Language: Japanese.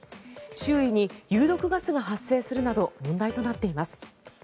周囲に有毒ガスが発生するなど問題となっています。